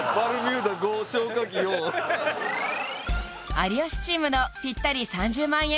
有吉チームのぴったり３０万円